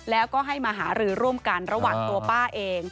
แล้วก็ให้มาหารือร่วมกันระหว่างตัวป้าเอง